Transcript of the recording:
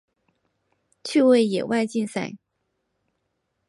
趣味野外竞赛。